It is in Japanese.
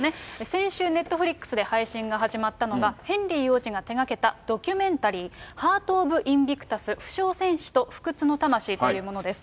先週、ネットフリックスで配信が始まったのが、ヘンリー王子が手がけたドキュメンタリー、ハート・オブ・インビクタス、負傷戦士と不屈の魂というものです。